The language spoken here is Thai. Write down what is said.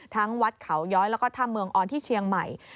วัดเขาย้อยแล้วก็ถ้ำเมืองออนที่เชียงใหม่